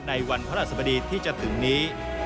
ในวันพระราชสมดีที่จะถึงนี้